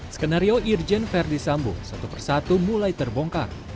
skenario irjen verdi sambo satu persatu mulai terbongkar